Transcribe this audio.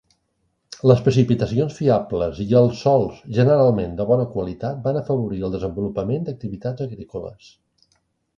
Les precipitacions fiables i els sòls generalment de bona qualitat van afavorir el desenvolupament d'activitats agrícoles.